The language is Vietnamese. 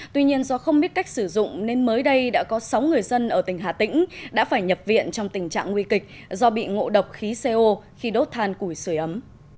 tuy nhiên do không biết cách sử dụng nên mới đây đã có sáu người dân ở tỉnh hà tĩnh đã phải nhập viện trong tình trạng nguy kịch do bị ngộ độc khí co khi đốt than củi sửa ấm